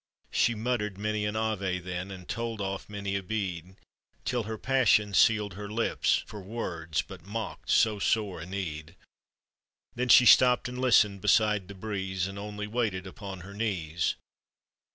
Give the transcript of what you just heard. She muttered many an Ave then, And told off many a bead, Till her passion sealed her lips, for words But mocked so sore a need; Then she stopped and listened ^beside the breeze, And only waited upon her knees.